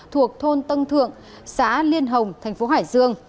thuộc thôn tân thượng xã liên hồng tp hải sương